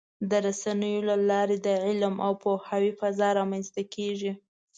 د رسنیو له لارې د علم او پوهاوي فضا رامنځته کېږي.